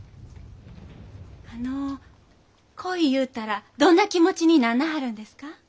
あの恋いうたらどんな気持ちになんなはるんですか？